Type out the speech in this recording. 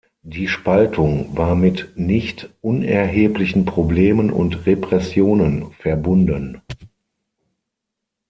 Die Spaltung war mit nicht unerheblichen Problemen und Repressionen verbunden.